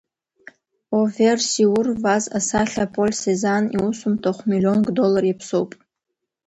Овер Сиур Ваз асахьа Поль Сезанн иусумҭа хә-миллионк доллар иаԥсоуп.